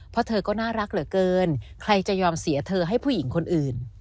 เพราะเธอก็น่ารักเหลือเกินใครจะยอมเสียเธอให้ผู้หญิงคนอื่น